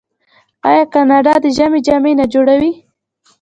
آیا کاناډا د ژمي جامې نه جوړوي؟